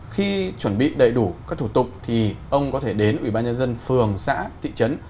khi chuẩn bị đầy đủ các thủ tục thì ông có thể đến ủy ban nhân dân phường xã thị trấn